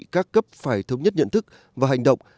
các cấp phải thống nhất nhận thức và hành động